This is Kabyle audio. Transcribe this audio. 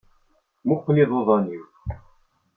Muqel iḍuḍan-iw.